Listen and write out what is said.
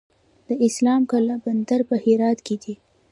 د اسلام قلعه بندر په هرات کې دی